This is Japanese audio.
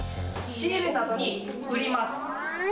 仕入れたあとに売ります。